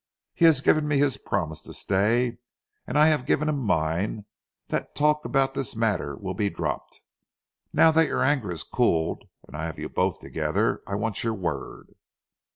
He has given me his promise to stay, and I have given him mine that talk about this matter will be dropped. Now that your anger has cooled, and I have you both together, I want your word."